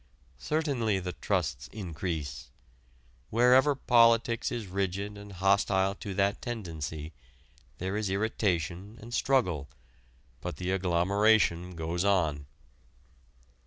Certainly the trusts increase. Wherever politics is rigid and hostile to that tendency, there is irritation and struggle, but the agglomeration goes on.